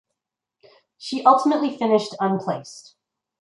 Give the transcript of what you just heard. She ultimately finished Unplaced.